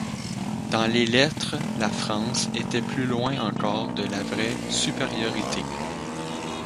Dans les lettres la France était plus loin encore de la vraie supériorité.